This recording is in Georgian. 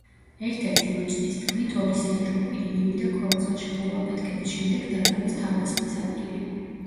ერთ-ერთი მოწმის თქმით, ორი საეჭვო პირი მივიდა ქორწილში, ხოლო აფეთქების შემდეგ დატოვეს თავდასხმის ადგილი.